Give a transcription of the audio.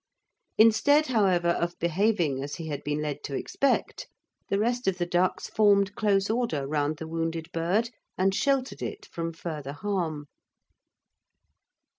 Instead, however, of behaving as he had been led to expect, the rest of the ducks formed close order round the wounded bird and sheltered it from further harm.